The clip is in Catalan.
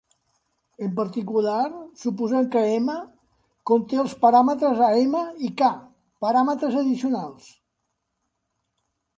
En particular, suposem que "M" conté els paràmetres a "M" i "k" paràmetres addicionals.